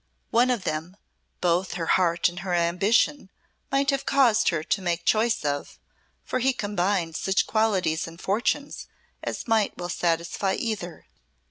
One of them, both her heart and her ambition might have caused her to make choice of, for he combined such qualities and fortunes as might well satisfy either.